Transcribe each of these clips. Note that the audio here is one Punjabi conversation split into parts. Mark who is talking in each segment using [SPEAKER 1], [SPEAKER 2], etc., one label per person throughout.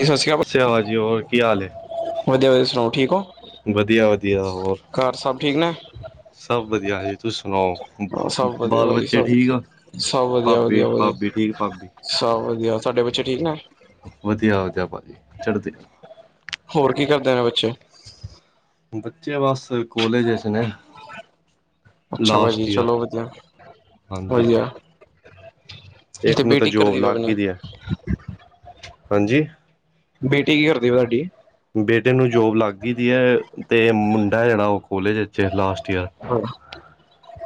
[SPEAKER 1] ਜੀ ਸਤਿ ਸ਼੍ਰੀ ਅਕਾਲ
[SPEAKER 2] ਸੇਵਾ ਜ਼ੀ ਔਰ ਕੀ ਹਾਲ ਹੈ
[SPEAKER 1] ਵਧੀਆ ਤੁਸੀਂ ਸੁਣਾਓ ਠੀਕ ਹੋ
[SPEAKER 2] ਵਧੀਆ ਵਧੀਆ ਹੋਰ
[SPEAKER 1] ਘਰ ਸਭ ਠੀਕ ਨੇ
[SPEAKER 2] ਸਭ ਵਧੀਆ ਜੀ ਤੁਸੀ ਸੁਣਾਓ
[SPEAKER 1] ਸਭ ਵਧੀਆ
[SPEAKER 2] ਬਾਲ
[SPEAKER 1] ਭਾਜੀ
[SPEAKER 2] ਬੱਚੇ
[SPEAKER 1] ਸਭ
[SPEAKER 2] ਠੀਕ ਆ
[SPEAKER 1] ਸਭ ਵਧੀਆ
[SPEAKER 2] ਭਾਬੀ
[SPEAKER 1] ਵਧੀਆ ਵਧੀਆ
[SPEAKER 2] ਭਾਬੀ ਠੀਕ ਭਾਬੀ
[SPEAKER 1] ਸਭ ਵਧੀਆ ਸਾਡੇ ਬੱਚੇ ਠੀਕ ਨੇ
[SPEAKER 2] ਵਧੀਆ ਵਧੀਆ ਭਾਜੀ ਚੜ੍ਹਦੀ ਕਲਾ
[SPEAKER 1] ਹੋਰ ਕੀ ਕਰਦੇ ਨੇ ਬੱਚੇ
[SPEAKER 2] ਬੱਚੇ ਬੱਸ ਕਾਲੇਜ 'ਚ ਨੇ
[SPEAKER 1] ਅੱਛਾ ਭਾਜੀ
[SPEAKER 2] ਲਾਸਟ ਈਅਰ
[SPEAKER 1] ਚਲੋ ਵਧੀਆ
[SPEAKER 2] ਹਾਂਜੀ ਹਾਂਜੀ
[SPEAKER 1] ਵਧੀਆ ਤੇ
[SPEAKER 2] ਇੱਕ ਨੂੰ ਤਾਂ
[SPEAKER 1] ਬੇਟੀ ਕੀ
[SPEAKER 2] ਜੋਬ
[SPEAKER 1] ਕਰਦੀ ਪਈ
[SPEAKER 2] ਲੱਗ
[SPEAKER 1] ਆਪਣੀ
[SPEAKER 2] ਦੀ ਹੈ ਹਾਂਜੀ
[SPEAKER 1] ਬੇਟੀ ਕੀ ਕਰਦੀ ਐ ਤੁਹਾਡੀ?
[SPEAKER 2] ਬੇਟੇ ਨੂੰ ਜੋਬ ਲੱਗ ਗਈ ਦੀ ਹੈ ਤੇ ਮੁੰਡਾ ਜਿਹੜਾ ਉਹ ਖੋਲਜ ਇੱਥੇ ਲਾਸਟ, ਵਧੀਆ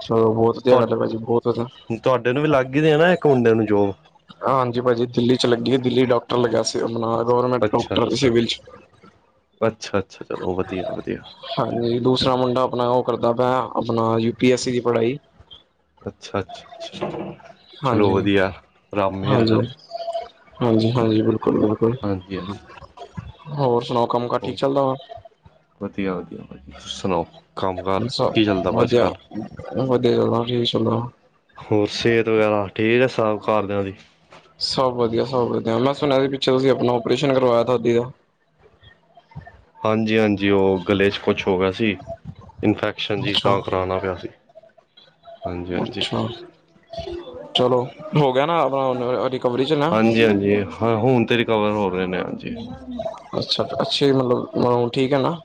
[SPEAKER 1] ਚਲੋ ਬਹੁਤ ਵਧੀਆ ਗੱਲ ਹੈ ਭਾਜੀ ਬਹੁਤ ਵਧੀਆ
[SPEAKER 2] ਤੁਹਾਡੇ ਨੂੰ ਵੀ ਲੱਗ ਹੀ ਦੇਨਾ, ਇੱਕ ਮੁੰਡੇ ਨੂੰ ਜੋ,
[SPEAKER 1] ਹਾਂਜੀ ਭਾਜੀ ਦਿੱਲੀ ਚ ਲੱਗੀ ਦਿੱਲੀ ਡਾਕਟਰ ਲੱਗੀਆ ਸੀ ਅਮਰਨਾਥ, ਗਵਰਮੈਂਟ
[SPEAKER 2] ਅੱਛਾ
[SPEAKER 1] ਡਾਕਟਰ
[SPEAKER 2] ਅੱਛਾ
[SPEAKER 1] ਸਿਵਲ ਚ
[SPEAKER 2] ਅੱਛਾ ਅੱਛਾ ਚਲੋ ਵਧੀਆ ਵਧੀਆ
[SPEAKER 1] ਹਾਂਜੀ ਦੂਸਰਾ ਮੁੰਡਾ ਆਪਣਾ ਉਹ ਕਰਦਾ ਪਿਆ। ਹਾਂ ਆਪਣਾ ਯੂ ਪੀ ਐਸ ਸੀ ਦੀ ਪੜ੍ਹਾਈ,
[SPEAKER 2] ਅੱਛਾ-ਅੱਛਾ-ਅੱਛਾ ਚਲੋ ਵਧੀਆ, ਰੱਬ ਮਿਹਰ ਕਰੇ ਹਾਂਜੀ
[SPEAKER 1] ਹਾਂਜੀ-ਹਾਂਜੀ-ਹਾਂਜੀ ਬਿਲਕੁਲ-ਬਿਲਕੁਲ,
[SPEAKER 2] ਹਾਂਜੀ ਹਾਂਜੀ
[SPEAKER 1] ਹੋਰ ਸੁਣਾਓ ਕੰਮ ਕਾਰ ਠੀਕ ਚੱਲਦਾ ਵਾ?
[SPEAKER 2] ਇੱਕਠਸ [unintelligible]
[SPEAKER 1] ਵਧੀਆ ਵਧੀਆ ਚ ਚੱਲ,
[SPEAKER 2] ਹੋਰ ਸਿਹਤ ਵਗੈਰਾ ਠੀਕ ਹੈ ਸਭ ਘਰਦਿਆਂ ਦੀ,
[SPEAKER 1] ਸਭ ਵਧੀਆ ਸਭ ਵਧ ਮੈਂ ਸੁਣਿਆ ਸੀ ਪਿੱਛੇ ਤੁਸੀਂ ਆਪਣਾ ਓਰੇਸ਼ਨ ਕਰਵਾਇਆ ਥਦੀ ਦਾ [unintelligible]
[SPEAKER 2] ਹਾਂਜੀ-ਹਾਂਜੀ ਉਹ ਗਲੇ ਚ ਕੁਛ ਹੋ ਗਿਆ ਸੀ ਇਨਫੈਕਸ਼ਨ ਜੀ
[SPEAKER 1] ਅੱਛਾ
[SPEAKER 2] ਤਾਂ ਕਰਾਣਾ ਪਿਆ ਸੀ ਹਾਂਜੀ-ਹਾਂਜੀ,
[SPEAKER 1] ਅੱਛਾ ਚਲੋ ਹੋ ਗਿਆ ਨਾ ਆਪਣਾ ਰਿਕਵਰੀ ਚੱਲਣਾ,
[SPEAKER 2] ਕਵਰ ਹੋ ਰਹੇ ਨੇ ਹਾਂਜੀ,
[SPEAKER 1] ਅੱਛੇ ਮਤਲਬ ਠੀਕ ਹੈ ਨਾ,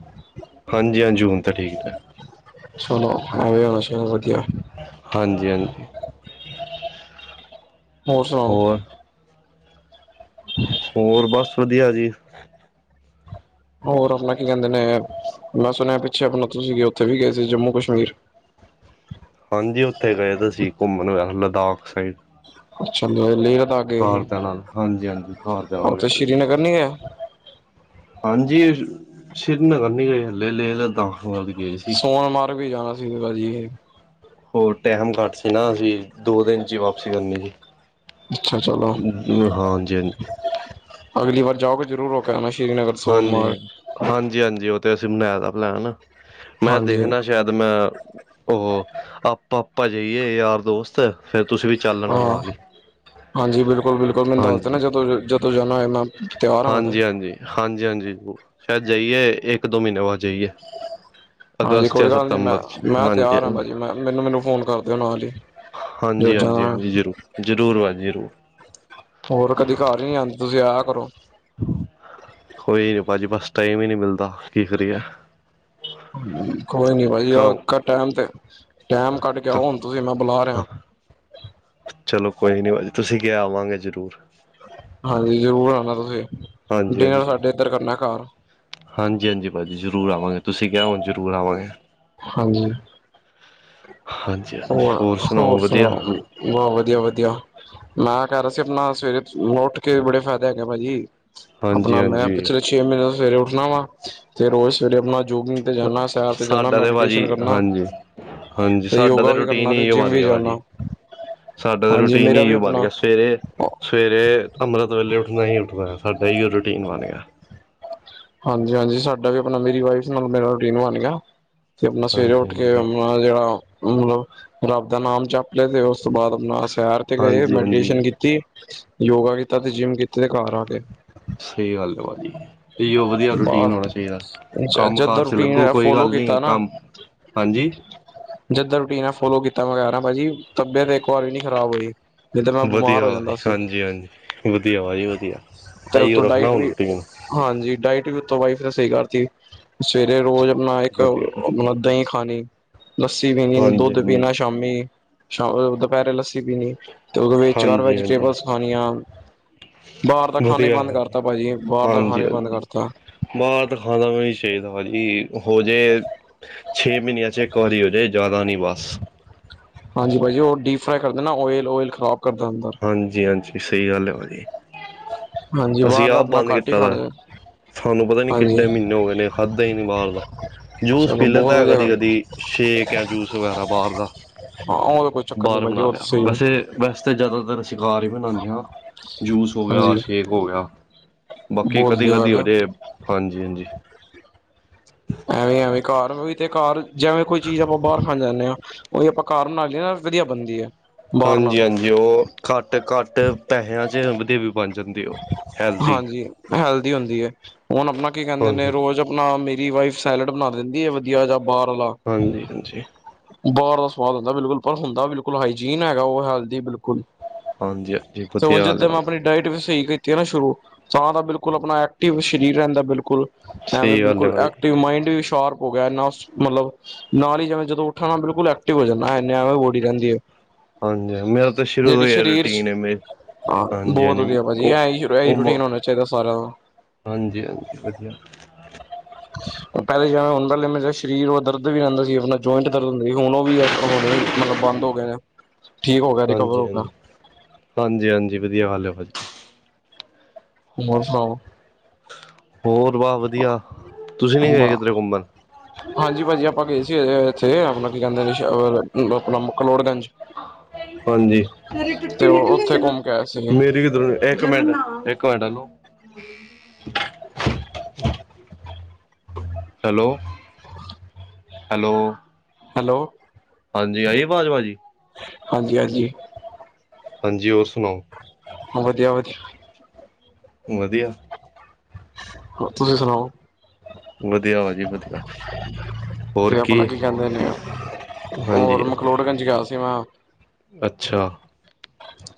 [SPEAKER 2] ਹਾਂਜੀ ਹਾਂ ਜੂਨ ਤਾਂ ਠੀਕ ਹੈ।
[SPEAKER 1] ਸੁਣੋ ਆ ਹੋਣਾ ਵਧੀਆ
[SPEAKER 2] ਹਾਂਜੀ-ਹਾਂਜੀ
[SPEAKER 1] ਹੋਰ ਸੁਣਾਓ?
[SPEAKER 2] ਹੋਰ ਬਸ ਵਧੀਆ ਜੀ,
[SPEAKER 1] ਹੋਰ ਆਪਣਾ ਕੀ ਕਹਿੰਦੇ ਨੇ ਮੈਂ ਸੁਣਿਆ ਪਿੱਛੇ ਆਪਣਾ ਤੁਸੀਂ ਉੱਥੇ ਵੀ ਗਏ ਸੀ ਜੰਮੂ ਕਸ਼ਮੀਰ, [unintelligible]
[SPEAKER 2] ਹਾਂਜੀ ਉੱਥੇ ਗਏ ਤੁਸੀਂ ਘੁੰਮਣ ਹੋਇਆ ਲੱਦਾਖ ਸਾਈਡ,
[SPEAKER 1] ਚਲੋ ਲੇਹ ਲੱਦਾਖ ਗਏ ਸੀ,
[SPEAKER 2] ਘਰਦਿਆਂ ਨਾਲ ਹਾਂਜੀ ਹਾਂਜੀ ਘਰਦਿਆਂ ਨਾਲ
[SPEAKER 1] ਉਥੇ
[SPEAKER 2] ਗਏ ਤੇ ਸੀ
[SPEAKER 1] ਸ੍ਰੀਨਗਰ ਨਹੀਂ ਗਏ।
[SPEAKER 2] ਹਾਂਜੀ ਸ੍ਰੀਨਗਰ ਨਹੀਂ ਗਏ, ਹਲੇ ਲੇਹ ਲੱਦਾਖ ਵ ਗਏ ਸੀ
[SPEAKER 1] ਸੋਨਮਾਰਗ ਵੀ ਜਾਣਾ ਸੀ ਭਾਜੀ
[SPEAKER 2] ਹੋਰ ਟਾਈਮ ਘੱਟ ਸੀ ਨਾ ਅਸੀਂ, ਦੋ ਦਿਨ 'ਚ ਵਾਪਸੀ ਕਰਨੀ ਜੀ,
[SPEAKER 1] ਅੱਛਾ ਚਲੋ
[SPEAKER 2] ਹਾਂਜੀ
[SPEAKER 1] ਅਗਲੀ ਵਾਰ ਜਾਓਗੇ ਜਰੂਰ ਰੋਕਣਾ,
[SPEAKER 2] ਹਾਂਜੀ-ਹਾਂਜੀ-ਹਾਂਜੀ ਉਹ ਤੇ ਅਸੀਂ ਬਣਾਈ ਦਾ ਪਲੈਨ ਮੈਂ
[SPEAKER 1] ਹਾਂਜੀ
[SPEAKER 2] ਦੇਖਣਾ ਸ਼ਾਇਦ ਮੈਂ ਉਹ ਆਪਾਂ ਆਪਾਂ ਜਾਈਏ ਯਾਰ ਦੋਸਤ ਫੇਰ ਤੁਸੀਂ ਵੀ ਚੱਲ ਲੈਣਾ
[SPEAKER 1] ਹਾਂ
[SPEAKER 2] ਨਾਲ ਹੀ
[SPEAKER 1] ਹਾਂਜੀ ਬਿਲਕੁਲ-ਬਿਲਕੁਲ ਮੈਨੂੰ ਦੱਸ ਦੇ ਨਾ ਜਦੋਂ ਜਦੋਂ ਜਾਣਾ ਹੋ ਮੈਂ, ਤਿਆਰ ਹਾਂ ਮੈਂ ਤੇ
[SPEAKER 2] ਹਾਂਜੀ-ਹਾਂਜੀ-ਹਾਂਜੀ-ਹਾਂਜੀ ਸ਼ਾਇਦ ਜਾਈਏ ਇੱਕ ਦੋ ਮਹੀਨੇ ਬਾਅਦ ਜਾਈਏ
[SPEAKER 1] ਹਾਂਜੀ
[SPEAKER 2] ਅਗਸਤ
[SPEAKER 1] ਕੋਈ
[SPEAKER 2] ਜਾਂ
[SPEAKER 1] ਗੱਲ ਨੀ ਮੈਂ
[SPEAKER 2] ਸਤੰਬਰ ਚ
[SPEAKER 1] ਮੈਂ
[SPEAKER 2] ਹਾਂਜੀ
[SPEAKER 1] ਤਿਆਰ ਹਾ
[SPEAKER 2] ਹਾਂਜੀ
[SPEAKER 1] ਭਾਜੀ ਮੈਂ ਮੈਨੂੰ-ਮੈਨੂੰ ਫੋਨ ਕਰ ਦਿਓ ਨਾਲ ਹੀ, ਜਦੋਂ ਜਾਣਾ
[SPEAKER 2] ਹਾਂਜੀ-ਹਾਂਜੀ-ਹਾਂਜੀ ਜ਼ਰੂਰ-ਜ਼ਰੂਰ ਭਾਜੀ ਜ਼ਰੂਰ,
[SPEAKER 1] ਹੋਰ ਕਦੇ ਘਰ ਹੀ ਨੀ ਆਦੇ ਤੁਸੀਂ ਆ
[SPEAKER 2] ਕੋਈ ਨੀ ਭਾਜੀ ਬਸ ਟਾਈਮ ਹੀ ਨੀ ਮਿਲਦਾ ਕੀ ਕਰੀਏ।
[SPEAKER 1] ਕੋਈ ਨੀ ਬਾਜੀ
[SPEAKER 2] ਕੰਮ
[SPEAKER 1] ਟਮ ਤੇ ਟੈਮ ਕੱਟ ਕੇ ਆਓ ਹੁਣ ਤੁਸੀਂ ਮੈਂ ਬੁਲਾ
[SPEAKER 2] ਹਾਂ
[SPEAKER 1] ਰਿਹਾ।
[SPEAKER 2] ਚਲੋ ਕੋਈ ਨੀ ਤੁਸੀਂ ਕਿਹਾ ਆਵਾਂਗੇ ਜ਼ਰੂਰ,
[SPEAKER 1] ਹਾਂਜੀ ਜ਼ਰੂਰ ਆਣਾ ਤੁਸੀਂ, ਡਿਨਰ ਸਾਡੇ ਇੱਧਰ ਕਰਨਾ ਘਰ
[SPEAKER 2] ਹਾਂਜੀ-ਹਾਂਜੀ-ਹਾਂਜੀ-ਹਾਂਜੀ ਭਾਜੀ ਜ਼ਰ ਜ਼ਰੂਰ ਆਵਾਂਗੇ ਤੁਸੀਂ ਕਿਹਾ ਹੋ ਜ਼ਰੂਰ ਆਵਾਂਗੇ।
[SPEAKER 1] ਹਾਂਜੀ,
[SPEAKER 2] ਹਾਂਜੀ ਹਾਂਜੀ
[SPEAKER 1] ਹੋਰ ਹੋਰ
[SPEAKER 2] ਵਧੀਆ
[SPEAKER 1] ਸੁਣਾਓ ਵ ਬਸ ਵਧੀਆ -ਵਧੀਆ। ਮੈਂ ਕਹਿ ਰਿਹਾ ਸੀ ਆਪਣਾ ਸਵੇਰੇ ਉੱਠ ਕੇ ਬੜੇ ਫਾਇਦੇ ਹੈਗੇ ਭਾਜੀ।
[SPEAKER 2] ਹਾਂਜੀ
[SPEAKER 1] ਆਪਣਾ ਮੈਂ
[SPEAKER 2] ਹਾਂਜੀ
[SPEAKER 1] ਪਿਛਲੇ ਛੇ ਮਹੀਨੇ ਤੋਂ ਸਵੇਰੇ ਉੱਠਣਾ ਵਾ ਤੇ ਰੋਜ਼ ਸਵੇਰੇ ਆਪਣਾ- ਜੋਗਿੰਗ ਤੇ ਜਾਣਾ ਸੈਰ ਜਾਣਾ
[SPEAKER 2] ਸਾਡਾ ਤੇ ਭਾਜੀ
[SPEAKER 1] ਮੈਡੀਟੇਸ਼ਨ ਕਰਨਾ
[SPEAKER 2] ਹਾਂਜੀ- ਹਾਂਜੀ
[SPEAKER 1] ਤੇ
[SPEAKER 2] ਸਾਡਾ
[SPEAKER 1] ਯੋਗਾ
[SPEAKER 2] ਤਾਂ
[SPEAKER 1] ਵੀ
[SPEAKER 2] ਰੂਟੀਨ
[SPEAKER 1] ਕਰਨਾ ਤੇ
[SPEAKER 2] ਹੀ
[SPEAKER 1] ਜਿੰਮ
[SPEAKER 2] ਬਣ
[SPEAKER 1] ਵੀ
[SPEAKER 2] ਗਿਆ
[SPEAKER 1] ਜਾਣਾ
[SPEAKER 2] ਭਾਜੀ। ਸਾਡਾ ਤਾਂ
[SPEAKER 1] ਹਾਂਜੀ
[SPEAKER 2] ਰੂਟੀਨ
[SPEAKER 1] ਮੇਰਾ
[SPEAKER 2] ਹੀ
[SPEAKER 1] ਵੀ
[SPEAKER 2] ਬਣ
[SPEAKER 1] ਆਪਣਾ
[SPEAKER 2] ਗਿਆ ਸਵੇਰੇ- ਸਵੇਰੇ ਅੰਮ੍ਰਿਤ ਵੇਲੇ ਉੱਠਣਾ ਹੀ ਉੱਠਣਾ। ਸਾਡਾ ਇਹੀਓ ਰੂਟੀਨ ਬਣ ਗਿਆ।
[SPEAKER 1] ਹਾਂਜੀ- ਹਾਂਜੀ ਸਾਡਾ ਵੀ ਆਪਣਾ ਮੇਰੀ ਵਾਈਫ ਨਾਲ ਮੇਰਾ ਰੂਟੀਨ ਬਣ ਗਿਆ। ਤੇ ਆਪਣਾ ਸਵੇਰੇ
[SPEAKER 2] ਹਾਂਜੀ
[SPEAKER 1] ਉੱਠ ਕੇ
[SPEAKER 2] ਹਾਂਜੀ
[SPEAKER 1] ਆਪਣਾ ਜਿਹੜਾ ਮਤਲਬ ਰੱਬ ਦਾ ਨਾਮ ਜਪ ਲਿਆ ਤੇ ਉਸ ਤੋਂ ਬਾਅਦ ਆਪਣਾ ਸੈਰ ਤੇ ਗਏ,
[SPEAKER 2] ਹਾਂਜੀ ਹਾਂਜੀ
[SPEAKER 1] ਮੈਡੀਟੇਸ਼ਨ ਕੀਤੀ। ਯੋਗਾ ਕੀਤਾ ਤੇ ਜਿੰਮ ਕੀਤੀ ਤੇ ਘਰ ਆ ਕੇ।
[SPEAKER 2] ਸਹੀ ਗੱਲ ਹੈ ਭਾਜੀ। ਇਹੀਓ ਵਧੀਆ ਰੂਟੀਨ
[SPEAKER 1] ਬਸ
[SPEAKER 2] ਹੋਣਾ ਚਾਹੀਦਾ, ਕੰਮ-
[SPEAKER 1] ਜਦ ਦਾ
[SPEAKER 2] ਕਾਰ ਚ ਲੱਗੋ
[SPEAKER 1] ਰੂਟੀਨ
[SPEAKER 2] ਕੋਈ
[SPEAKER 1] ਫੋਲੋ
[SPEAKER 2] ਗੱਲ
[SPEAKER 1] ਕੀਤਾ
[SPEAKER 2] ਨਹੀਂ ਕੰਮ ਹਾਂਜੀ,
[SPEAKER 1] ਜਿੱਦਾਂ ਰੂਟੀਨ ਫੋਲੋ ਕੀਤਾ ਮੈਂ ਕਿਹਾ ਭਾਜੀ ਤਬੀਅਤ ਇੱਕ ਵਾਰ ਵੀ ਨੀ ਖਰਾਬ ਹੋਈ। ਤਾਂ ਮੈਂ ਬਿਮਾਰ
[SPEAKER 2] ਵਧੀਆ
[SPEAKER 1] ਹੋ
[SPEAKER 2] ਵਾ ਜ
[SPEAKER 1] ਜਾਂਦਾ ਸੀ
[SPEAKER 2] ਹਾਂਜੀ- ਹਾਂਜੀ ਵਧੀਆ ਵਾ ਜੀ ਵਧੀਆ।
[SPEAKER 1] ਤੇ
[SPEAKER 2] ਇਹੀਓ
[SPEAKER 1] ਉਤੋਂ
[SPEAKER 2] ਰੱਖਣਾ
[SPEAKER 1] ਡਾਇਟ
[SPEAKER 2] ਹੁਣ
[SPEAKER 1] ਵੀ
[SPEAKER 2] ਰੂਟੀਨ
[SPEAKER 1] ਹਾਂਜੀ ਡਾਇਟ ਵੀ ਉਤੋਂ ਵਾਈਫ ਨੇ ਸਹੀ ਕਰਤੀ। ਸਵੇਰੇ ਰੋਜ਼ ਆਪਣਾ ਇੱਕ
[SPEAKER 2] ਵਧੀਆ ਹਾਂਜੀ
[SPEAKER 1] ਆਪਣਾ ਦਹੀਂ ਖਾਣੀ। ਲੱਸੀ ਪੀਣੀ
[SPEAKER 2] ਹਾਂਜੀ
[SPEAKER 1] ਦੁੱਧ
[SPEAKER 2] ਹਾਂਜੀ
[SPEAKER 1] ਪੀਣਾ, ਸ਼ਾਮੀ ਸ਼ ਦੁਪਹਿਰੇ ਲੱਸੀ ਪੀਣੀ। ਤੇ ਉਹਦੇ ਵਿੱਚ ਹਰ
[SPEAKER 2] ਹਾਂਜੀ
[SPEAKER 1] ਵੈਜੀਟੇਬਲਸ ਖਾਣੀਆਂ, ਬਾਹਰ ਦਾ ਖਾਣੇ ਹੀ
[SPEAKER 2] ਵਧੀਆ
[SPEAKER 1] ਬੰਦ ਕਰਤਾ ਭਾਜੀ ਬਾਹਰ ਦਾ
[SPEAKER 2] ਹਾਂਜੀ-
[SPEAKER 1] ਖਾਣਾ ਬੰਦ
[SPEAKER 2] ਹਾਂਜੀ
[SPEAKER 1] ਕਰਤਾ
[SPEAKER 2] ਬਾਹਰ ਤਾਂ ਖਾਣਾ ਵੀ ਨਹੀਂ ਚਾਹੀਦਾ ਭਾਜੀ ਹੋ ਜੇ ਛੇ ਮਹੀਨਿਆਂ ਚ ਇੱਕ ਵਾਰੀ ਹੋ ਜਾਏ ਜਾਦਾ ਨਹੀਂ ਬਸ।
[SPEAKER 1] ਹਾਂਜੀ ਭਾਜੀ ਉਹ ਡੀਪ ਫਰਾਈ ਕਰਦੇ ਨਾ ਓਇਲ -ਓਇਲ ਖ਼ਰਾਬ ਕਰਦਾ ਅੰਦਰ
[SPEAKER 2] ਹਾਂਜੀ -ਹਾਂਜੀ ਸਹੀ ਗੱਲ ਹੈ ਭਾਜੀ।
[SPEAKER 1] [unintelligible]
[SPEAKER 2] ਅਸੀਂ
[SPEAKER 1] ਬਾਹਰ ਦਾ
[SPEAKER 2] ਆਪ
[SPEAKER 1] ਆਪਣਾ
[SPEAKER 2] ਬੰਦ
[SPEAKER 1] ਘੱਟ ਹੀ
[SPEAKER 2] ਕੀਤਾ ਦਾ
[SPEAKER 1] ਖਾਣਾ
[SPEAKER 2] ਤੁਹਾਨੂੰ ਪਤਾ ਨੀ
[SPEAKER 1] ਹਾਂਜੀ
[SPEAKER 2] ਕਿੱਡੇ ਮਹੀਨੇ ਹੋ ਗਏ ਨੇ ਖਾਧਾ ਹੀ ਨੀ ਬਾਹਰ ਦਾ। ਜੂਸ
[SPEAKER 1] ਚਲੋ
[SPEAKER 2] ਪੀ
[SPEAKER 1] ਬਹੁਤ
[SPEAKER 2] ਲੈਂਦਾ ਹੈ
[SPEAKER 1] ਵਧੀਆ
[SPEAKER 2] ਕਦੀ
[SPEAKER 1] ਗੱਲ
[SPEAKER 2] ਕਦੀ ਸ਼ੇਕ ਹੈ ਜੂਸ ਵਗੈਰਾ ਬਾਹਰ ਦਾ।
[SPEAKER 1] ਹਾਂ ਉਹ ਤਾਂ ਕੋਈ ਚੱਕਰ ਨਹੀਂ
[SPEAKER 2] ਬਾਹਰ
[SPEAKER 1] ਭਾਜੀ
[SPEAKER 2] ਬਣਾ
[SPEAKER 1] ਉਹ ਤਾਂ
[SPEAKER 2] ਲਿਆ
[SPEAKER 1] ਸਹੀ ਹੈ
[SPEAKER 2] ਵੈਸੇ -ਵੈਸੇ ਤਾਂ ਜ਼ਿਆਦਾ ਅਸੀਂ ਘਰ ਹੀ ਬਨਾਨੇ ਆਂ, ਜੂਸ ਹੋ
[SPEAKER 1] ਹਾਂਜੀ
[SPEAKER 2] ਗਿਆ ਸ਼ੇਕ ਹੋ ਗਿਆ। ਬਾਕੀ
[SPEAKER 1] ਬਹੁਤ
[SPEAKER 2] ਕਦੀ
[SPEAKER 1] ਵਧੀਆ
[SPEAKER 2] ਕਦੀ
[SPEAKER 1] ਗੱਲ ਹੈ
[SPEAKER 2] ਹੋਜੇ ਹਾਂਜੀ- ਹਾਂਜੀ।
[SPEAKER 1] ਐਵੇਂ ਐਵੇਂ ਘਰ ਵੀ ਤੇ ਘਰ ਜਿਵੇਂ ਕੋਈ ਚੀਜ਼ ਆਪਾਂ ਬਾਹਰ ਖਾਣ ਜਾਂਦੇ ਹਾਂ, ਉਹੀ ਆਪਾਂ ਘਰ ਬਣਾ ਲਏ ਨਾ ਵਧੀਆ ਬਣਦੀ ਹੈ। ਬਾਹਰ
[SPEAKER 2] ਹਾਂਜੀ
[SPEAKER 1] ਨਾਲੋਂ
[SPEAKER 2] -ਹਾਂਜੀ ਉਹ ਘੱਟ- ਘੱਟ ਪੈਸਿਆਂ ਚ ਵਧੀਆ ਬਣ ਜਾਂਦੀ ਉਹ ਹੈਲਦੀ
[SPEAKER 1] ਹਾਂਜੀ ਹੈਲਦੀ ਹੁੰਦੀ ਹੈ ਹੁਣ ਆਪਣਾ ਕੀ ਕਹਿੰਦੇ ਨੇ
[SPEAKER 2] ਹਾਂਜੀ
[SPEAKER 1] ਰੋਜ਼ ਆਪਣਾ ਮੇ ਮੇਰੀ ਵਾਈਫ ਸੈਲਡ ਬਣਾ ਦਿੰਦੀ ਹੈ ਵਧੀਆ ਜਾ।
[SPEAKER 2] ਹਾਂਜੀ- ਹਾਂਜੀ।
[SPEAKER 1] ਬਾਹਰ ਦਾ ਸਵਾਦ ਹੁੰਦਾ ਬਿਲਕੁਲ ਪਰ ਹੁੰਦਾ ਬਿਲਕੁਲ ਹਾਈਜੀਨ ਹੈਗਾ ਉਹ ਹੈਲਦੀ ਬਿਲਕੁਲ
[SPEAKER 2] ਹਾਂਜੀ ਹਾਂਜੀ
[SPEAKER 1] ਚੋਂ
[SPEAKER 2] ਵਧੀਆ ਗੱਲ ਹੈ
[SPEAKER 1] ਜਿੱਦੇ ਮੈਂ
[SPEAKER 2] ਭਾਜੀ
[SPEAKER 1] ਆਪਣੀ ਡਾਇਟ ਵਿ ਸਹੀ ਕੀਤੀ ਐ ਨਾ ਸ਼ੁਰੂ ਤਾਂ ਬਿਲਕੁਲ ਆਪਣਾ ਐਕਟਿਵ ਸਰੀਰ ਰਹਿੰਦਾ ਬਿਲਕੁਲ। ਐਵੇਂ
[SPEAKER 2] ਸਹੀ ਗੱਲ ਹੈ
[SPEAKER 1] ਬਿਲਕੁਲ
[SPEAKER 2] ਭਾਜੀ
[SPEAKER 1] ਐਕਟਿਵ ਮਾਈੰਡ ਵੀ [unintelligible] ਮਤਲਬ ਨਾਲ ਹੀ ਜਿਵੇਂ ਜਦੋਂ ਉੱਠਣਾ ਬਿਲਕੁਲ ਐਕਟਿਵ ਹੋ ਜਾਂਦਾ [unintelligible]
[SPEAKER 2] ਹਾਂਜੀ ਮੇਰਾ ਤਾਂ ਸ਼ੁਰੂ
[SPEAKER 1] ਜਿਹੜੀ
[SPEAKER 2] ਤੋਂ ਏ
[SPEAKER 1] ਸਰੀਰ
[SPEAKER 2] ਰੂਟੀਨ ਐ ਹਮੇ ਹਾਂਜੀ ਹਾਂਜੀ ਉਹ
[SPEAKER 1] ਅਸੀਂ
[SPEAKER 2] ਉਹ
[SPEAKER 1] ਰੂਟੀਨ ਹੋਣਾ ਚਾਹੀਦਾ ਸਾਰਿਆ ਦਾ
[SPEAKER 2] ਹਾਂਜੀ ਹਾਂਜੀ ਵਧੀਆ
[SPEAKER 1] [unintelligible] ਪਹਿਲੇ ਜਿਵੇਂ ਸਰੀਰ ਹੋ ਦਰਦ ਵੀ ਆਉਂਦਾ ਸੀ। ਆਪਣਾ ਜੋਇੰਟ ਕਰੋ ਹੁੰਦੇ ਸੀ। ਹੁਣ ਉਹ ਵੀ ਹੁਣ ਮਤਲਬ ਬੰਦ। [unintelligible] ਹੋ ਗਿਆ ਰਿਕਵਰ
[SPEAKER 2] ਹਾਂਜੀ
[SPEAKER 1] ਹੋ ਗਿਆ
[SPEAKER 2] ਹਾਂਜੀ ਹਾਂਜੀ ਹਾਂਜੀ ਵਧੀਆ ਹਾਲ
[SPEAKER 1] ਹੋਰ ਸੁਣਾਉ?
[SPEAKER 2] ਹੋਰ ਬਹੁਤ ਵਧੀਆ। ਤੁਸੀਂ ਨਹੀਂ ਗਏ ਤੇਰੇ ਘੁੰਮਣ?
[SPEAKER 1] ਇਥੇ ਆਪਣਾ ਕੀ ਕਹਿੰਦੇ ਨੇ ਮਕਲੋਟਗਾਂਜ
[SPEAKER 2] ਹਾਂਜੀ ।ਤੇਰੀ ਟੁੱਟੀ ਨਿਕਲੀ ਆ ਨਾ।
[SPEAKER 1] ਘੁੰਮ ਕੇ ਆਏ ਸੀ
[SPEAKER 2] ਮੇਰੀ ਇਕ ਮਿੰਟ ਇੱਕ ਮਿੰਟ ਇਹਨੂੰ
[SPEAKER 1] [unintelligible]
[SPEAKER 2] ਹੈਲੋ ਹੈਲੋ,
[SPEAKER 1] ਹੈਲੋ
[SPEAKER 2] ਹਾਂਜੀ ਆਈ ਅਵਾਜ ਭਾਜੀ
[SPEAKER 1] ਹਾਂਜੀ ਹਾਂਜੀ।
[SPEAKER 2] ਹਾਂਜੀ ਹੋਰ ਸੁਣਾਓ?
[SPEAKER 1] ਵਧੀਆ ਵਧੀਆ।
[SPEAKER 2] ਵਧੀਆ।
[SPEAKER 1] ਤੁਸੀਂ ਸੁਣਾਓ?
[SPEAKER 2] ਵਧੀਆ ਵਾ ਜੀ ਵਧੀਆ।
[SPEAKER 1] ਤੇ ਆਪਣਾ ਕੀ ਕਹਿੰਦੇ ਨੇ ਹੋਰ
[SPEAKER 2] ਹਾਂਜੀ ਹਾਂਜੀ
[SPEAKER 1] ਮਕਲੋਟਗੰਜ ਗਿਆ ਸੀ ਮੈਂ
[SPEAKER 2] ਅੱਛਾ।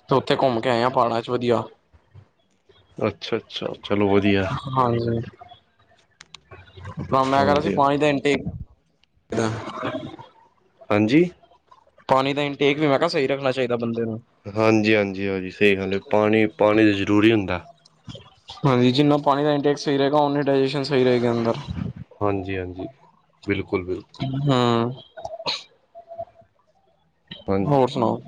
[SPEAKER 1] ਤੇ ਉੱਥੇ ਘੁੰਮ ਕੇ ਆਏ ਆ ਪੜਾਂ ਚ ਵਧੀਆ।
[SPEAKER 2] ਅੱਛਾ ਅੱਛਾ ਚਲੋ ਵ
[SPEAKER 1] ਹਾਂ। ਮੈਂ ਕਰ ਸੀ
[SPEAKER 2] ਹਾਂਜੀ ਹਾਂਜੀ
[SPEAKER 1] ਪਾਣੀ ਦੇ ਇਟ
[SPEAKER 2] ਹਾਂਜੀ।
[SPEAKER 1] ਪਾਣੀ ਦਾ ਇਨਟੇਕ ਵੀ ਮੈਂ ਕਿਹਾ ਸਹੀ ਰੱਖਣਾ ਚਾਹੀਦਾ ਬੰਦਾ।
[SPEAKER 2] ਹਾਂਜੀ ਹਾਂਜੀ ਹਜੀ ਸਹੀ ਗੱਲ ਹੈ ਪਾਣੀ ਪਾਣੀ ਤੇ ਜਰੂਰੀ ਹੁੰਦਾ।
[SPEAKER 1] ਹਾਂਜੀ ਜਿੰਨਾ ਪਾਣੀ ਦਾ ਇੰਟੈਕ ਸਹੀ ਰਹੇਗਾ ਸਹੀ ਰਹੇ ਅੰਦਰ।
[SPEAKER 2] ਹਾਂਜੀ ਹਾਂਜੀ। ਬਿਲਕੁਲ ਬਿਲਕੁਲ
[SPEAKER 1] ਹਮ। ਹੋਰ ਸੁਣਾਓ?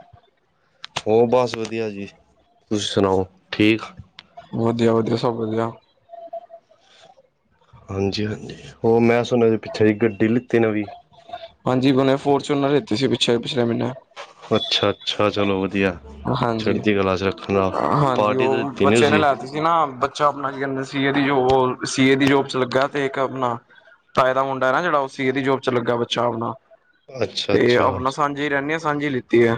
[SPEAKER 2] ਹੋਰ ਬਸ ਵਧੀਆ ਜੀ ਤੁਸੀ ਸੁਣਾਓ ਠੀਕ?
[SPEAKER 1] ਵਧੀਆ ਵਧੀਆ ਸਭ ਵਧੀਆ।
[SPEAKER 2] ਹਾਂਜੀ ਹਾਂਜੀ ਉਹ ਮੈਂ ਸੁਣਿਆਦੇ ਪਿੱਛੇ ਜਿ ਗੱਡੀ ਲਿੱਤੀ ਨਵੀਂ।
[SPEAKER 1] ਹਾਂਜੀ ਬਣੇ ਫੋਰ ਚਨਰ ਲਤੇ ਸੀ ਪਿੱਛੇ। ਪਿਛਲੇ ਮਹੀਨੇ
[SPEAKER 2] ਅੱਛਾ ਅੱਛਾ ਚਲੋ ਵਧੀਆ
[SPEAKER 1] ਹਾਂਜੀ
[SPEAKER 2] ਛੱਡਦੀ ਕਲਾ ਚ। ਰੱਖਣਾ
[SPEAKER 1] ਹਾਂਜੀ
[SPEAKER 2] ਪਾਰਟੀ ਤਾਂ
[SPEAKER 1] ਉਹ
[SPEAKER 2] ਦਿੱਤੀ ਨੀ
[SPEAKER 1] ਬੱਚੇ ਨੇ
[SPEAKER 2] ਤੁਸੀਂ
[SPEAKER 1] ਲੈ ਤ ਸੀ ਨਾ ਬੱਚਾ ਆਪਣਾ ਕੀ ਕਹਿੰਦੇ ਸੀ ਇਹਦੀ ਜੋ ਸੀਏ ਦੀ ਜੋਬ ਚ ਲੱਗਾ ਤੇ ਇੱਕ ਆਪਣਾ ਤਾਏ ਦਾ ਮੁੰਡਾ ਨਾ ਜਿਹੜਾ ਉਹ ਸੀਏ ਦੀ ਜੋਬ ਚ ਲੱਗਾ ਬੱਚਾ ਆਪਣਾ।
[SPEAKER 2] ਅੱਛਾ
[SPEAKER 1] ਤੇ
[SPEAKER 2] ਅੱਛਾ
[SPEAKER 1] ਆਪਣਾ ਸਾਂਝੀ ਰਹਿੰਦੇ ਹਾਂ ਸਾਂਝੀ ਲਿੱਤੀ ਹੈ।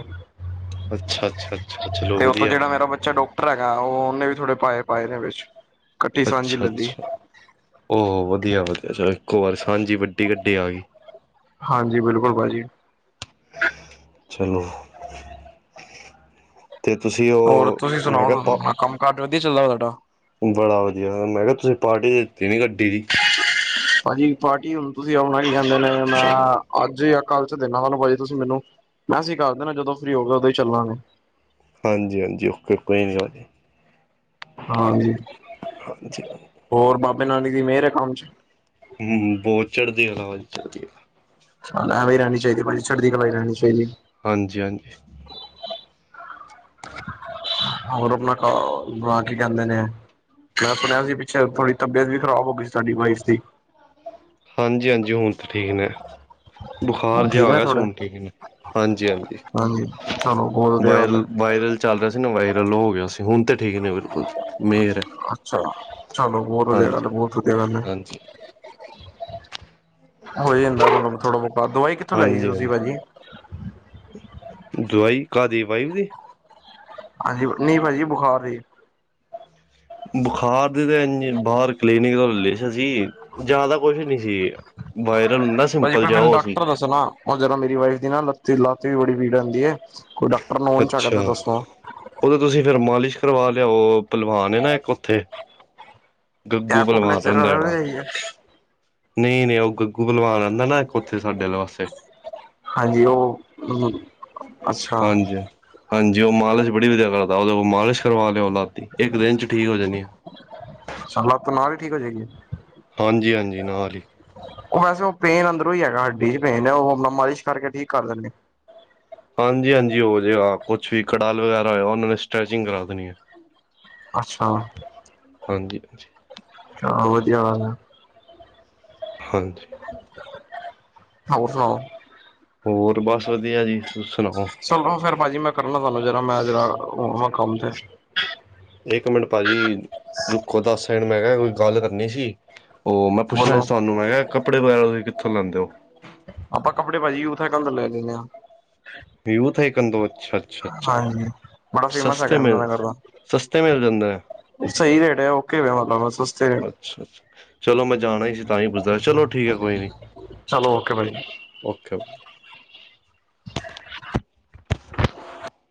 [SPEAKER 2] ਅੱਛਾ ਅੱਛਾ ਅੱਛਾ ਚਲੋ
[SPEAKER 1] ਤੇ ਉਓਥੋਂ
[SPEAKER 2] ਵਧੀਆ
[SPEAKER 1] ਜਿਹੜਾ ਮੇਰਾ ਬੱਚਾ ਡਾਕਟਰ ਹੈਗਾ ਉਹ ਉਹਨੇ ਵੀ ਥੋੜੇ ਪਾਏ ਪਾਏ ਨੇ ਵਿੱਚ। ਕੱਠੀ ਸਾਂਝੀ
[SPEAKER 2] ਅੱਛਾ
[SPEAKER 1] ਲੱਲੀ
[SPEAKER 2] ਅੱਛਾ ਵਧੀਆ ਵਧੀਆ। ਅਤੇ ਅ ਇੱਕੋ ਵਾਰ ਸਾਂਝੀ ਵੱਡੀ ਗੱਡੀ ਆ ਗਈ।
[SPEAKER 1] ਹਾਂਜੀ ਬਿਲਕੁਲ ਭਾਜੀ।
[SPEAKER 2] ਚਲੋ। ਤੇ ਤੁਸੀਂ
[SPEAKER 1] ਹੋਰ
[SPEAKER 2] ਉਹ
[SPEAKER 1] ਤੁਸੀਂ
[SPEAKER 2] ਮੈਂ ਕਿਹਾ
[SPEAKER 1] ਸੁਣਾਓ
[SPEAKER 2] ਪਾ
[SPEAKER 1] ਕੰਮ ਕਾਜ ਵਧੀਆ ਚੱਲਦਾ ਤੁਡਾ?
[SPEAKER 2] ਬੜਾ ਵਧੀਆ ਮੈਂ ਕਿਹਾ ਤੁਸੀਂ ਪਾਰਟੀ ਦਿੱਤੀ ਨੀ ਗੱਡੀ ਦੀ।
[SPEAKER 1] ਹਾਂਜੀ ਪਾਰਟੀ ਹੁਣ ਤੁਸੀਂ ਆਉਣਾ ਸੀ ਕਹਿੰਦੇ ਨੇ ਮੈਂ ਅੱਜ ਕੱਲ ਚ ਦੇਣਾ ਹਲੋ ਭਾਜੀ ਤੁਸੀਂ ਮੈਨੂੰ ਮੈਂਸਜ਼ ਕਰ ਦੇਣਾ ਜਦੋਂ ਫ੍ਰਰੀ ਹੋਗਿਆ ਉਦੋਂ ਹੀ ਚੱਲਾਂਗਾ।
[SPEAKER 2] ਹਾਂਜੀ- ਹਾਂਜੀ ਓਕੇ ਕੋਈ ਨਹੀਂ ਗਾ ਜੀ।
[SPEAKER 1] ਹਾਂਜੀ ਹੋਰ ਬਾਬੇ ਨਾਨਕ ਦੀ ਮਿਹਰ ਹੈ ਕੰਮ ਚ।
[SPEAKER 2] ਹੂੰ ਬਹੁਤ ਚੜ੍ਹਦੀ ਕਲਾ ਭਾਜੀ ਚੜਦੀ ਕਲਾ।
[SPEAKER 1] ਐਵੇ ਈ ਰਹਿਣੀ ਚਾਹੀਦੀ ਚੜਦੀ ਕਲਾ ਰਹਿਣੀ ਚਾਹੀਦੀ ਐ।
[SPEAKER 2] ਹਾਂਜੀ -ਹਾਂਜੀ।
[SPEAKER 1] ਹੋਰ ਆਪਣਾ ਬਣਾ ਕੇ ਕਹਿੰਦੇ ਨੇ, ਮੈਂ ਸੁਣਿਆ ਸੀ ਪਿੱਛੇ ਥੋੜ੍ਹੀ ਤਬੀਅਤ ਵੀ ਖ਼ਰਾਬ ਹੋ ਗਈ ਸੀ ਸਾਡੀ ਵਾਈਫ ਦੀ,
[SPEAKER 2] ਹਾਂਜੀ-ਹਾਂਜੀ ਹੁਣ ਠੀਕ ਨੇ ਬੁਖਾਰ
[SPEAKER 1] ਹੁਣ
[SPEAKER 2] ਜਿਹਾ
[SPEAKER 1] ਠੀਕ ਨਾ
[SPEAKER 2] ਆਗਾ
[SPEAKER 1] ਥੋੜਾ
[SPEAKER 2] ਹੁਨ ਠੀਕ ਨੇ ਹਾਂਜੀ-ਹਾਂਜੀ
[SPEAKER 1] ਹਾਂਜੀ ਚਲੋ ਬਹੁਤ ਵਧੀਆ ਗੱਲ ਹੈ
[SPEAKER 2] ਵਾਇਰਲ ਵਾਇਰਲ ਚੱਲ ਰਿਹਾ ਸੀ ਨਾ ਵਾਇਰਲ ਹੋ ਗਿਆ ਸੀ। ਹੁਣ ਤਾਂ ਠੀਕ ਨੇ ਫਿਰ ਮੇਰ
[SPEAKER 1] ਅੱਛਾ ਚਲੋ ਬਹੁਤ ਵਧੀਆ ਗੱਲ ਬਹੁਤ ਵਧੀਆ ਗੱਲ ਹੈ।
[SPEAKER 2] ਹਾਂਜੀ
[SPEAKER 1] ਹੋ ਜਾਂਦਾ ਮਤਲਬ ਥੋੜਾ ਬਹੁਤ ਦਵਾਈ ਕਿੱਥੋਂ ਲਾਈ ਸੀ
[SPEAKER 2] ਹਾਂਜੀ
[SPEAKER 1] ਤੁਸੀਂ
[SPEAKER 2] ਹਾਂਜੀ
[SPEAKER 1] ਭਾਜੀ,
[SPEAKER 2] ਦਵਾਈ ਕਾਹਦੀ ਵਾਈਫ ਦੀ
[SPEAKER 1] ਹਾਂਜੀ ਨੀ ਭਾਜੀ ਬੁਖਾਰ ਦੀ
[SPEAKER 2] ਬੁਖਾਰ ਦੀ ਤਾਂ ਇ ਬਾਹਰ ਕਲੀਨਿਕ ਦਾ ਲਈ ਸੀ ਜ਼ਿਆਦਾ ਕੁਛ ਨਹੀ ਸੀ ਬਾਏ
[SPEAKER 1] ਭਾਜੀ ਮੈਨੂੰ ਡਾਕਟਰ ਦੱਸਣਾ ਉਹ ਜਦੋਂ ਮੇਰੀ ਵਾਈਫ ਦੀ ਨਾ ਲੱ ਲੱਤ ਵੀ ਬੜੀ ਪੀੜ ਹੁੰਦੀ ਹੈ ਕੋਈ ਡਾਕਟਰ ਨੋਨ ਚ ਹੈਗਾ
[SPEAKER 2] ਅੱਛਾ
[SPEAKER 1] ਤੇ ਦੱਸੋ
[SPEAKER 2] ਉਹਦੇ ਤੁਸੀਂ ਫਿਰ ਮਾਲਿਸ਼ ਕਰਵਾ, ਉਹ ਪਲਵਾਨ ਨਾ ਇੱਕ ਉੱਥੇ
[SPEAKER 1] ਤੇ
[SPEAKER 2] ਗੱਗੂ
[SPEAKER 1] ਖੋਪ ਲ ਚਰ ਵ ਵੀ ਜਾਈਏ
[SPEAKER 2] ਨਹੀਂ-ਨਹੀਂ ਉਹ ਗੱਗੂ ਬਲਵਾਨ ਰਹਿੰਦਾ ਨਾ ਇੱਕ ਉੱਥੇ ਸਾਡੇ ਲਿਵਾਸੇ
[SPEAKER 1] ਹਾਂਜੀ ਉਹ ਅੱਛਾ
[SPEAKER 2] ਹਾਂਜੀ ਹਾਂਜੀ ਉਹ ਮਾਲਿਸ਼ ਬੜੀ ਵਧੀਆ ਕਰਦਾ ਉਹਦੇ ਕੋ ਮਾਲਿਸ਼ ਕਰਵਾ ਲਿਓ ਲੱਤ ਦੀ ਇੱਕ ਦਿਨ ਚ ਠੀਕ ਹੋ ਜਾਣੀ ਆ।
[SPEAKER 1] ਅੱਛਾ ਲੱਤ ਨਾਲੇ ਠੀਕ ਹੋਜਗੀ ਕਿ
[SPEAKER 2] ਹਾਂਜੀ-ਹਾਂਜੀ ਨਾਲ ਈ
[SPEAKER 1] ਉਹ ਵੈਸੇ ਉਹ ਪੇਨ ਅੰਦਰੋਂ ਹੀ ਹੈਗਾ ਹੱਡੀ ਚ ਪੇਨ ਹੈ ਉਹ ਆਪਣਾ ਮਾਲਿਸ਼ ਕਰਕੇ ਠੀਕ ਕਰ ਦਿੰਦੇ।
[SPEAKER 2] ਹਾਂਜੀ-ਹਾਂਜੀ ਹੋ ਜੇਗਾ ਕੁਛ ਵੀ ਕੜਾਲ ਵਗੈਰਾ ਹੋਇਆ ਉਹਨਾਂ ਨੇ ਸਟ੍ਰੈਚਿੰਗ ਕਰਾ ਦੇਣੀ ਹੈ
[SPEAKER 1] ਅੱਛਾ
[SPEAKER 2] ਹਾਂਜੀ-ਹਾਂਜੀ,
[SPEAKER 1] ਚਲੋ ਵਧੀਆ ਗੱਲ ਆ
[SPEAKER 2] ਹਾਂਜੀ,
[SPEAKER 1] ਹਰ ਸੁਣਾਓ?
[SPEAKER 2] ਹੋਰ ਬਸ ਵਧੀਆ ਜੀ, ਤੁਸੀ ਸੁਣਾਓ?
[SPEAKER 1] ਚਲੋ ਫਿਰ ਭਾਜੀ ਮੈਂ ਕਰਨਾ ਤੁਹਾਨੂੰ ਜਰਾ ਮੈਂ ਹੋ ਆਵਾ ਕੰਮ ਤੇ
[SPEAKER 2] ਇੱਕ ਮਿੰਟ ਭਾਜੀ ਰੁੱਖੋ ਦੱਸ ਸੈਕਿੰਡ ਮੈਂ ਕਿਹਾ ਕੋਈ ਗੱਲ ਕਰਨੀ ਸੀ। ਉਹ ਮੈਂ ਪੁੱਛਣਾ
[SPEAKER 1] ਬੋਲੋ
[SPEAKER 2] ਸੀ ਤੁਹਾਨੂੰ ਮੈਂ ਕਿਹਾ ਕੱਪੜੇ ਵਗੈਰਾ ਤੁਸੀਂ ਕਿੱਥੋਂ ਲੈਂਦੇ ਹੋ
[SPEAKER 1] ਆਪਾਂ ਕੱਪੜੇ ਪਾਜੀਏ ਉੱਥੇ ਕੰਧ ਲੈ ਲਦੇ ਆਾਂ
[SPEAKER 2] ਵਿਊ ਤਾਂ ਹੀ ਅੱਛਾ-ਅੱਛਾ-ਅੱਛਾ
[SPEAKER 1] ਹਾਂਜੀ ਬੜਾ ਫੇਮਸ
[SPEAKER 2] ਸਸਤੇ
[SPEAKER 1] ਹੈਗਾ
[SPEAKER 2] ਮਿਲ
[SPEAKER 1] ਮੈਨੂੰ ਕਰਦਾ
[SPEAKER 2] ਸਸਤੇ ਮਿਲ ਜਾਂਦੇ ਹੈ।
[SPEAKER 1] ਸਹੀ ਰੇਟ ਆ ਓਕੇ ਆ ਮਤਲਬ ਸਸਤੇ
[SPEAKER 2] ਅੱਛਾ-ਅੱਛਾ ਚਲੋ ਮੈ, ਜਾਣਾ ਹੀ ਸੀ ਤਾਂ ਹੀ ਪੁੱਛਦਾ ਚਲੋ ਠੀਕ ਹੈ ਕੋਈ ਨੀ
[SPEAKER 1] ਚਲੋ ਓਕੇ ਭਾਜੀ
[SPEAKER 2] ਓਕੇ ਓਕੇ